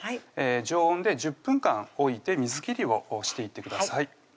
常温で１０分間置いて水切りをしていってください